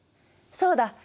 そうだ！